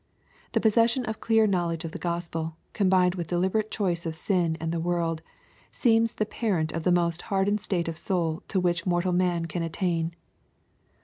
— The possession of clear knowledge of the Gospel, combined with deliberate choice of sin and the world, seems the parent of the most hardened state of soul to which mortal man can attain.